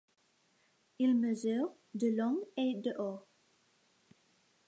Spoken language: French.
Il mesure de long et de haut.